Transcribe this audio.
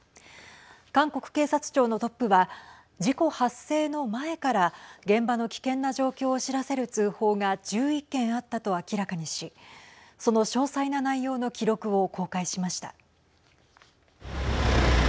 韓国警察庁のトップは事故発生の前から現場の危険な状況を知らせる通報が１１件あったと明らかにしその詳細な内容の記録を公開しました。